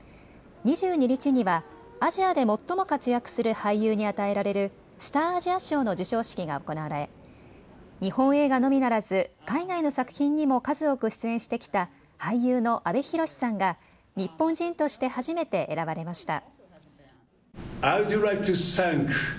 ２２日にはアジアで最も活躍する俳優に与えられるスターアジア賞の受賞式が行われ日本映画のみならず海外の作品にも数多く出演してきた俳優の阿部寛さんが日本人として初めて選ばれました。